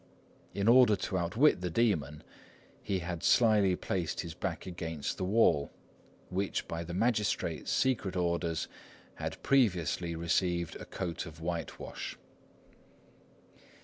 In order to outwit the demon he had slily placed his back against the wall, which by the magistrate's secret orders had previously received a coat of whitewash.